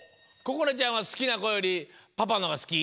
ここなちゃんは好きなこよりパパのほうが好き？